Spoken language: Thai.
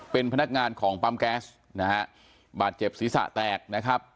เป็นพนักงานของปั๊มแก๊สนะฮะบาดเจ็บศีรษะแตกนะครับ